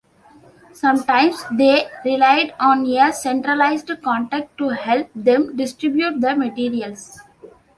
Sometimes they relied on a centralized contact to help them distribute the materials.